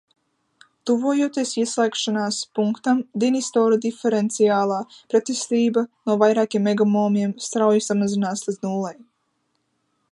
Tuvojoties ieslēgšanās punktam, dinistora diferenciālā pretestība no vairākiem megaomiem strauji samazinās līdz nullei.